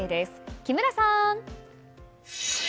木村さん。